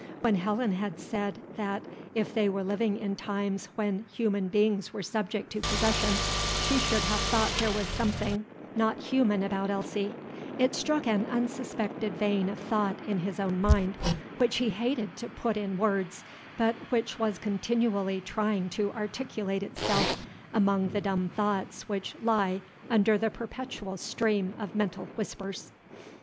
When Helen had said, that, if they were living in times when human beings were subject to possession, she should have thought there was something not human about Elsie, it struck an unsuspected vein of thought in his own mind, which he hated to put in words, but which was continually trying to articulate itself among the dumb thoughts which lie under the perpetual stream of mental whispers.